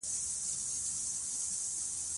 افغانستان د کوچیانو د ترویج لپاره پروګرامونه لري.